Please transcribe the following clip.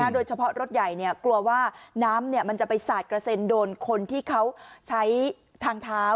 โดยเฉพาะรถใหญ่กลัวว่าน้ำมันจะไปสาดกระเซ็นโดนคนที่เขาใช้ทางเท้า